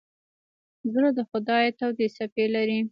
زړه د خندا تودې څپې لري.